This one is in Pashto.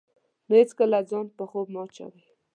نو هېڅکله ځان په خوب مه اچوئ.